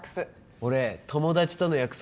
俺友達との約束